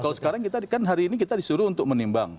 kalau sekarang kita kan hari ini kita disuruh untuk menimbang